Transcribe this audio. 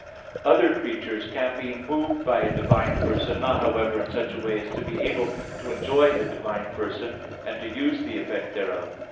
Other creatures can be moved by a divine person, not, however, in such a way as to be able to enjoy the divine person, and to use the effect thereof.